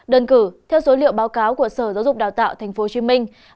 đơn cử theo số liệu báo cáo của sở giáo dục đào tạo tp hcm